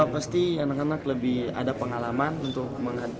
pasti anak anak lebih ada pengalaman untuk mengadakan